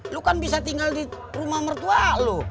lu kan bisa tinggal di rumah mertua lu